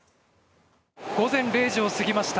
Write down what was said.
午前０時を過ぎました。